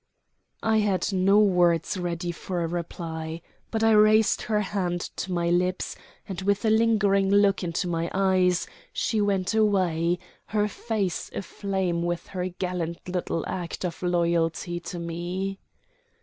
I had no words ready for a reply, but I raised her hand to my lips; and, with a lingering look into my eyes, she went away, her face aflame with her gallant little act of loyalty to me.